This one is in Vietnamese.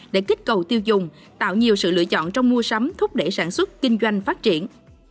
để kích cầu tiêu dùng tạo nhiều sự lựa chọn trong mua sắm thúc đẩy sản xuất kinh doanh phát triển